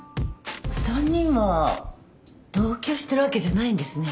３人は同居してるわけじゃないんですね？